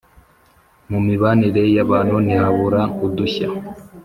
mu mibanire y’abantu ntihabura udushya